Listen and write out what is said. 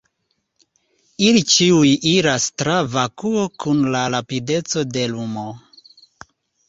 Ili ĉiuj iras tra vakuo kun la rapideco de lumo.